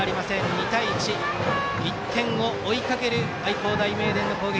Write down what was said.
２対１、１点を追う愛工大名電の攻撃。